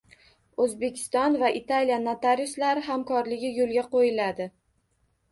O‘zbekiston va Italiya notariuslari hamkorligi yo‘lga qo‘yiladi